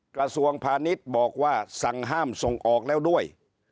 กระทรวงพาณิชย์บอกว่าสั่งห้ามส่งออกแล้วด้วย